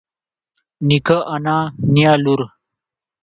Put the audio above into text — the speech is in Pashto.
نيکه انا نيا لور